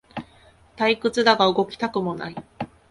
退屈だが動きたくもない